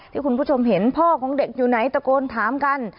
ที่คุณผู้ชมเห็นพ่อของเด็กอยู่ไหนตะโกนถามกัน